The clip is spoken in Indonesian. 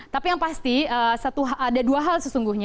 tapi yang pasti ada dua hal sesungguhnya